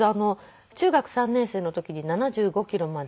中学３年生の時に７５キロまで。